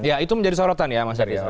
ya itu menjadi sorotan ya mas haris